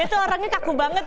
dia tuh orangnya kaku banget